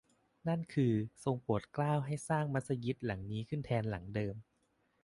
นั่นคือ ทรงโปรดเกล้าให้สร้างมัสยิดหลังนี้ขึ้นแทนหลังเดิม